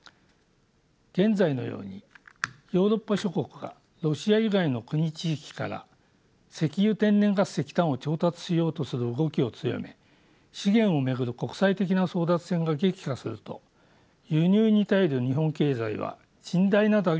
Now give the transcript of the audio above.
現在のようにヨーロッパ諸国がロシア以外の国地域から石油天然ガス石炭を調達しようとする動きを強め資源を巡る国際的な争奪戦が激化すると輸入に頼る日本経済は甚大な打撃を被るのです。